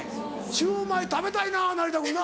シューマイ食べたいな成田君な。